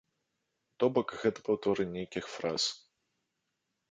То бок, гэта паўторы нейкіх фраз.